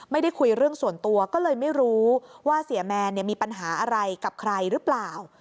ไม่ได้คุยเรื่องส่วนตัวก็เลยไม่รู้ว่าเสียแมนมีปัญหาอะไรกับใครหรือเปล่า